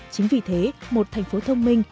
chính vì thế một thành phố thông minh